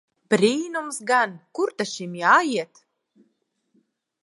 Brīnums gan! Kur ta šim jāiet!